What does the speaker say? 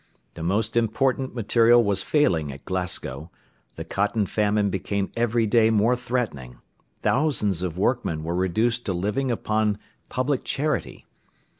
The most important material was failing at Glasgow, the cotton famine became every day more threatening, thousands of workmen were reduced to living upon public charity.